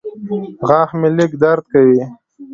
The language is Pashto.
غاښ مې لږ درد کوي.